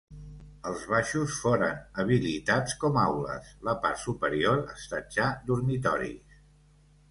Els baixos foren habilitats com aules, la part superior estatja dormitoris.